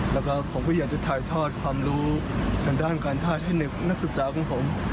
แล้วก็ผมก็อยากจะถ่ายทอดความรู้ทางด้านการแพทย์ให้เด็กนักศึกษาของผม